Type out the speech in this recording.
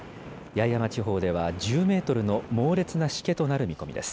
八重山地方では１０メートルの猛烈なしけとなる見込みです。